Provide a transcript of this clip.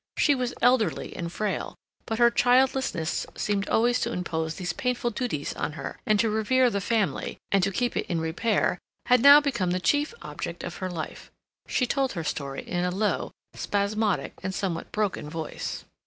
She was elderly and fragile, but her childlessness seemed always to impose these painful duties on her, and to revere the family, and to keep it in repair, had now become the chief object of her life. She told her story in a low, spasmodic, and somewhat broken voice.